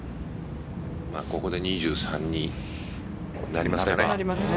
ここで２３になりますね。